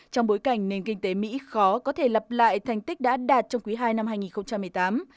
trong bối cảnh nền kinh tế mỹ khó có thể lặp lại thành tích đã đạt trong quý ii năm hai nghìn một mươi tám